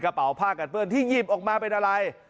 กระเป๋าผ้ากันเปื้อนที่หยิบออกมาเป็นอะไร